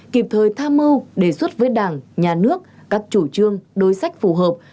kịp thời tham mưu đề xuất với đảng nhà nước các chủ trương đối sách phù hợp